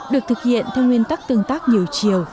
được thực hiện theo nguyên tắc tương tác nhiều chiều